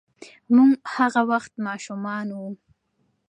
موږ هغه وخت ماشومان وو.